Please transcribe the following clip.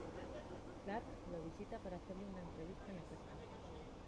Clark lo visita para hacerle una entrevista en la cárcel.